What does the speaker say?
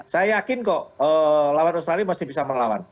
saya yakin kok lawan australia masih bisa melawan